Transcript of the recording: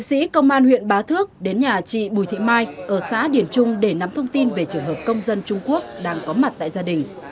sĩ công an huyện bá thước đến nhà chị bùi thị mai ở xã điển trung để nắm thông tin về trường hợp công dân trung quốc đang có mặt tại gia đình